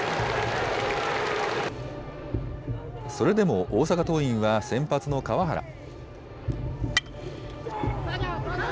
それでも大阪桐蔭は先発の川原。